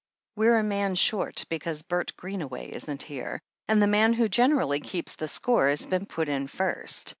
We're a man short, because Bert Greenaway isn't here, and the man who generally keeps the score has been put in first.